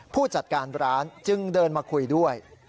ผู้จัดการร้านจึงเดินมาคุยด้วย